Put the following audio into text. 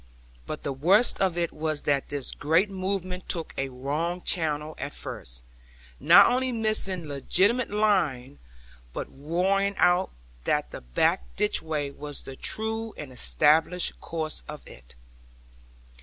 But the worst of it was that this great movement took a wrong channel at first; not only missing legitimate line, but roaring out that the back ditchway was the true and established course of it.